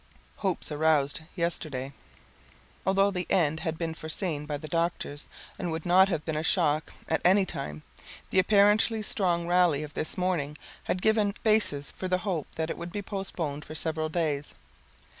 Hopes Aroused Yesterday Although the end had been foreseen by the doctors and would not have been a shock at any time, the apparently strong rally of this morning had given basis for the hope that it would be postponed for several days.